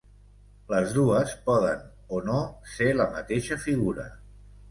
Les dues poden o no ser la mateixa figura.